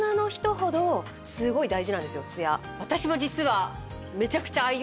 私も実は。